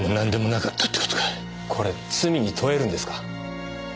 これ罪に問えるんですか？